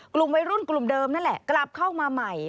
กลุ่มวัยรุ่นกลุ่มเดิมนั่นแหละกลับเข้ามาใหม่